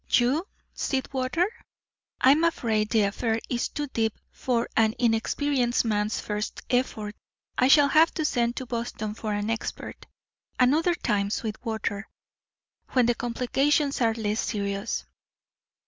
"You, Sweetwater? I'm afraid the affair is too deep for an inexperienced man's first effort. I shall have to send to Boston for an expert. Another time, Sweetwater, when the complications are less serious."